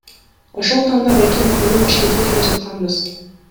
Ошол таңда байкем экөөбүз Бишкекке келе жатканбыз.